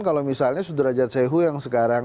kalau misalnya sudrajat sehu yang sekarang